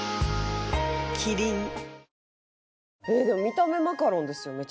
でも見た目マカロンですよ